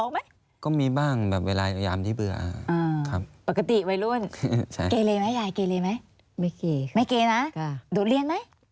ไม่มีประวัติเลย